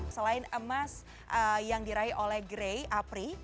selain emas yang diraih oleh gray apri